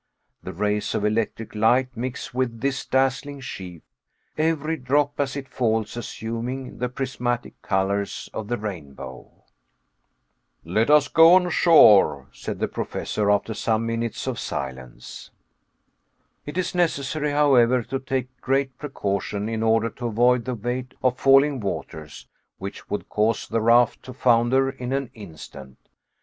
The rays of electric light mix with this dazzling sheaf, every drop as it falls assuming the prismatic colors of the rainbow. "Let us go on shore," said the Professor, after some minutes of silence. It is necessary, however, to take great precaution, in order to avoid the weight of falling waters, which would cause the raft to founder in an instant.